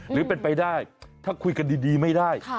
หรือเป็นไปได้ถ้าคุยกันดีไม่ได้